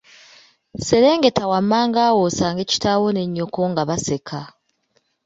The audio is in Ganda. Serengeta wammanga awo osange kitaawo ne nnyoko nga baseka.